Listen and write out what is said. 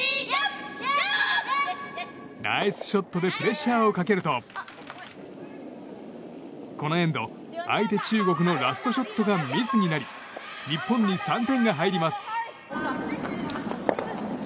ナイスショットでプレッシャーをかけるとこのエンド、相手中国のラストショットがミスとなり日本に３点が入ります。